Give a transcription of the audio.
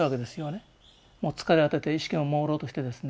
もう疲れ果てて意識ももうろうとしてですね